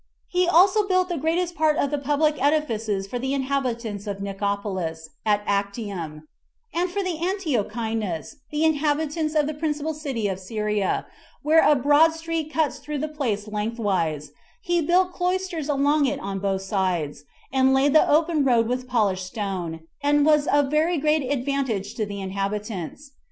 He also built the greatest part of the public edifices for the inhabitants of Nicopolis, at Actium; 6 and for the Antiochinus, the inhabitants of the principal city of Syria, where a broad street cuts through the place lengthways, he built cloisters along it on both sides, and laid the open road with polished stone, and was of very great advantage to the inhabitants.